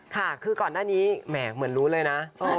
ค่ะคือก่อนหน้านี้แหมเหมือนรู้เลยนะ